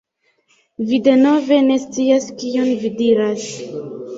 Vi denove ne scias kion vi diras.